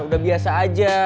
udah biasa aja